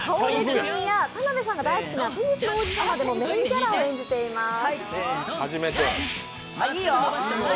君や田辺さんが大好きな「テニスの王子様」でもメーンキャラを演じています。